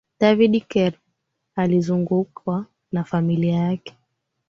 david kirbu aliizungukwa na familia yake